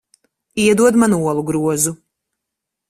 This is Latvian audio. Iedod man olu grozu.